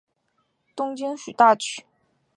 属京畿大区。